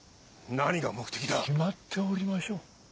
何が目的だ⁉決まっておりましょう。